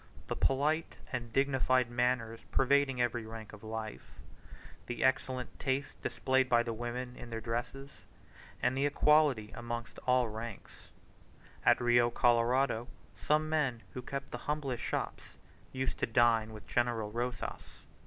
The polite and dignified manners pervading every rank of life, the excellent taste displayed by the women in their dresses, and the equality amongst all ranks. At the Rio Colorado some men who kept the humblest shops used to dine with General Rosas.